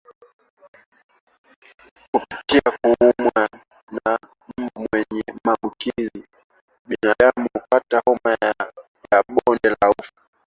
Kupitia kuumwa na mbu mwenye maambukizi binadamu hupata homa ya bonde la ufa